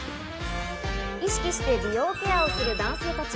意識して美容ケアをする男性たち。